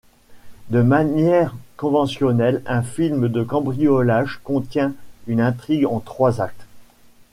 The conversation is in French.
De manière conventionnelle un film de cambriolage contient une intrigue en trois actes.